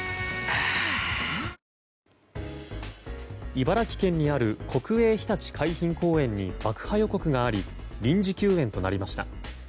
茨城県にある国営ひたち海浜公園に爆破予告があり臨時休園となりました。